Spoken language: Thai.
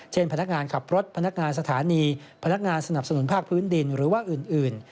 พนักงานขับรถพนักงานสถานีพนักงานสนับสนุนภาคพื้นดินหรือว่าอื่น